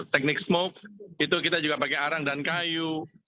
teknik smoke itu kita juga pakai arang dan kayu